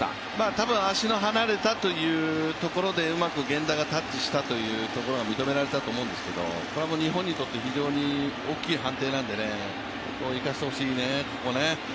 たぶん足の離れたというところでうまく源田がタッチしたところが認められたと思うんですけど、これはもう日本にとって非常に大きい判定なんで生かしてほしいね、ここね。